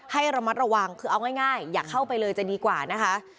ให้ระมัดระวังคือเอาง่ายอย่าเข้าไปเลยจะดีกว่านะคะ